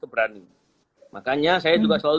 berani makanya saya juga selalu